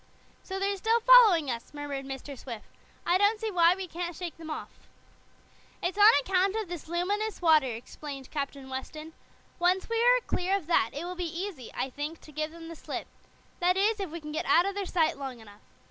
"So they're still following us," murmured Mr. Swift. "I don't see why we can't shake them off." "It's on account of this luminous water," explained Captain Weston. "Once we are clear of that it will be easy, I think, to give them the slip. That is, if we can get out of their sight long enough.